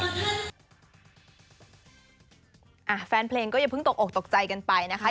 แฟนเพลงก็อย่าเพิ่งตกออกตกใจกันไปนะคะ